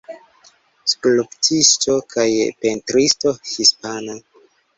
Skulptisto kaj pentristo hispana.